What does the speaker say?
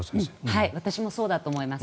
私もそうだと思います。